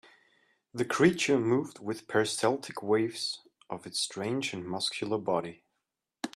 The creature moved with peristaltic waves of its strange and muscular body.